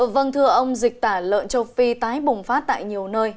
vâng thưa ông dịch tả lợn châu phi tái bùng phát tại nhiều nơi